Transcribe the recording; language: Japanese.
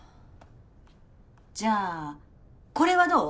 じゃあこれはどう？